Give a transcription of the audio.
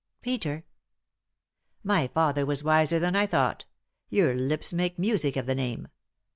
" Peter." " My father was wiser than I thought ; your lips make music of the name.